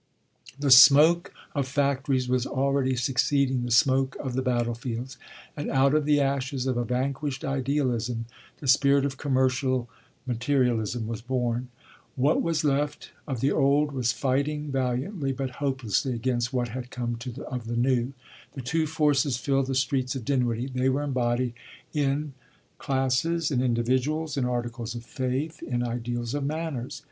The smoke of factories was already succeeding the smoke of the battlefields, and out of the ashes of a vanquished idealism the spirit of commercial materialism was born. What was left of the old was fighting valiantly, but hopelessly, against what had come of the new. The two forces filled the streets of Dinwiddie. They were embodied in classes, in individuals, in articles of faith, in ideals of manners.